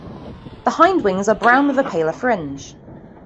The hindwings are brown with a paler fringe.